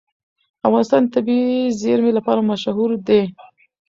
افغانستان د طبیعي زیرمې لپاره مشهور دی.